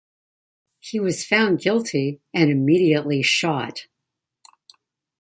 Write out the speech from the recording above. He was found guilty and immediately shot.